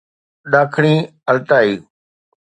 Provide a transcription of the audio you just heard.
ڏاکڻي Altai